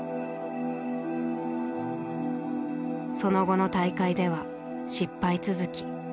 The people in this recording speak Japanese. その後の大会では失敗続き。